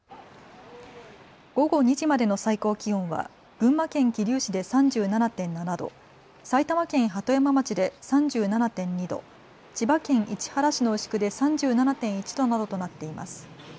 午後２時までの最高気温は群馬県桐生市で３７．７度、埼玉県鳩山町で３７．２度、千葉県市原市の牛久で３７．１度などとなっています。